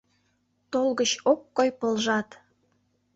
Толгыч ок кой пылжат.